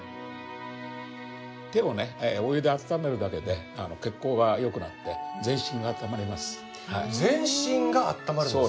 手をねお湯で温めるだけで血行が良くなって全身があったまります。